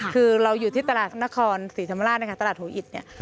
คือเราอยู่ที่ตลาดนครศรีธรรมราชนะคะตลาดหัวอิตเนี่ย